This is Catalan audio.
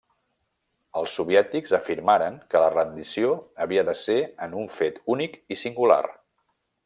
Els soviètics afirmaren que la rendició havia de ser en un fet únic i singular.